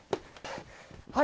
はい！